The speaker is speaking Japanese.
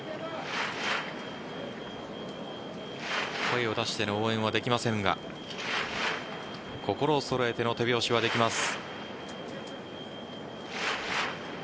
声を出しての応援はできませんが心を揃えての手拍子はできます。